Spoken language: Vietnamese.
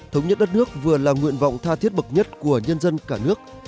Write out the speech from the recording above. thống nhất đất nước vừa là nguyện vọng tha thiết bậc nhất của nhân dân cả nước